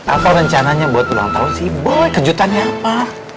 atau rencananya buat ulang tahun si boy kejutannya apa